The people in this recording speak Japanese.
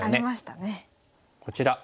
こちら。